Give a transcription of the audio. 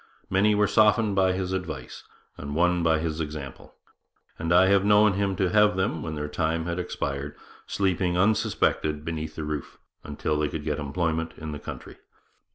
... Many were softened by his advice and won by his example; and I have known him to have them, when their time had expired, sleeping unsuspected beneath his roof, until they could get employment in the country.'